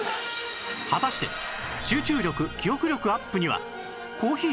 果たして集中力・記憶力アップにはコーヒー？